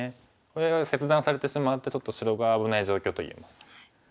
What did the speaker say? これ切断されてしまってちょっと白が危ない状況と言えます。